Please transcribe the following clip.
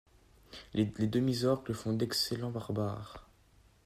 Les Demi-Orques font d'excellent Barbares.